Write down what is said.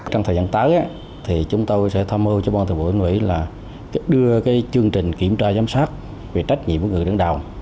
trong thời gian tới thì chúng tôi sẽ tham mưu cho ban thường vụ huyện ủy là đưa chương trình kiểm tra giám sát về trách nhiệm của người đứng đầu